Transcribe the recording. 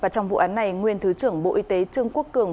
trong vụ án này nguyên thứ trưởng bộ y tế trương quốc cường